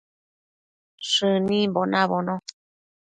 Shënimbo nabono